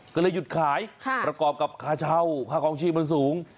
ก็เลยหยุดขายประกอบกับค่าเช่าค่าคลองชีพมันสูง